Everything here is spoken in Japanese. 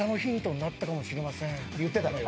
こう言ってたのよ。